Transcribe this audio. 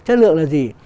chất lượng là gì